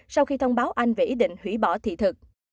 sau khi thông báo anh về ý định hủy bỏ thị thực